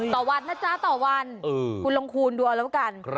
ต่อวันนะจ๊ะต่อวันคุณลองคูณดูเอาแล้วกัน